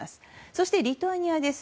そして、リトアニアです。